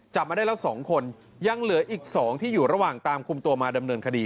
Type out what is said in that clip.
จับมาได้แล้วสองคนและหลังอีกสองที่อยู่ระหว่างตามกลุ่มตัวมาเดิมเนินขดี